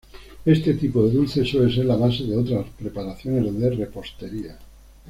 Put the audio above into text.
Este tipo de dulce suele ser la base de otras preparaciones de repostería.